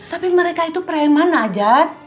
tapi mereka itu pereman najat